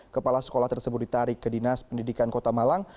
kepala sekolah tersebut ditarik ke dinas pendidikan kota malang